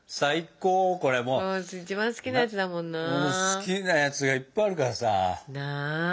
好きなやつがいっぱいあるからさ。